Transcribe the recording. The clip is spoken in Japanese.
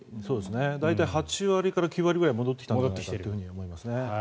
大体８割から９割ぐらい戻ってきたんじゃないかと思います。